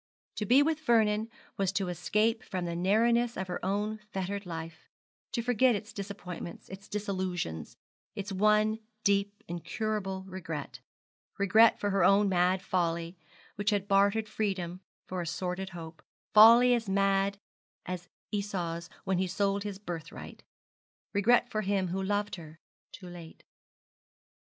To be with Vernon was to escape from the narrowness of her own fettered life, to forget its disappointments, its disillusions, its one deep incurable regret regret for her own mad folly, which had bartered freedom for a sordid hope folly as mad as Esau's when he sold his birthright regret for him who loved her too late.